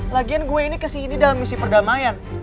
lagian gue ini kesini dalam misi perdamaian